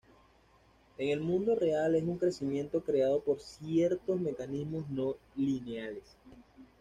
En el mundo real es un crecimiento creado por ciertos mecanismos no lineales.